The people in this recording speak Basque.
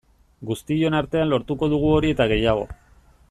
Guztion artean lortuko dugu hori eta gehiago.